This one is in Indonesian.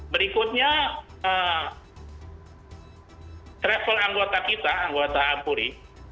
berikutnya travel anggota kita anggota ampuri